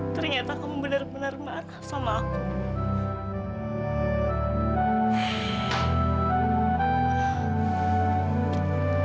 ternyata kamu benar benar marah sama aku